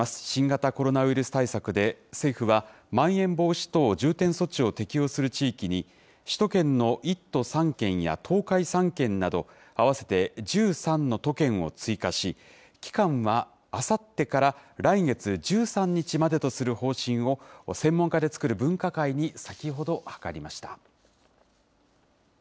新型コロナウイルス対策で政府は、まん延防止等重点措置を適用する地域に、首都圏の１都３県や東海３県など、合わせて１３の都県を追加し、期間はあさってから来月１３日までとする方針を専門家で作る分科会に。